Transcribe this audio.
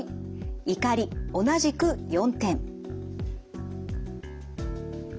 怒り同じく４点。